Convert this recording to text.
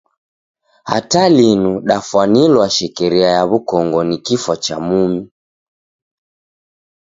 Hata linu dafwanilwa shekeria ya w'ukongo ni kifwa cha mumi.